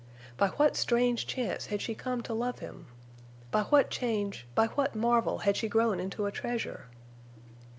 By what strange chance had she come to love him! By what change—by what marvel had she grown into a treasure!